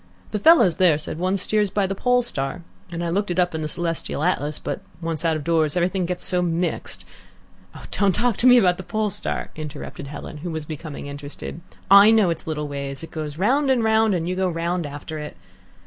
The fellows there said one steers by the Pole Star, and I looked it up in the celestial atlas, but once out of doors everything gets so mixed " "Don't talk to me about the Pole Star," interrupted Helen, who was becoming interested. "I know its little ways. It goes round and round, and you go round after it."